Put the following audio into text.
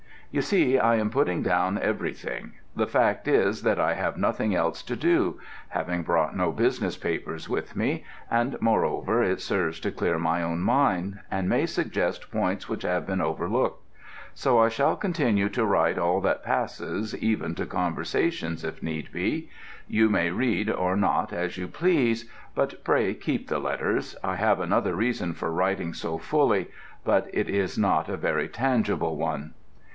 You see I am putting down everything. The fact is that I have nothing else to do, having brought no business papers with me; and, moreover, it serves to clear my own mind, and may suggest points which have been overlooked. So I shall continue to write all that passes, even to conversations if need be you may read or not as you please, but pray keep the letters. I have another reason for writing so fully, but it is not a very tangible one.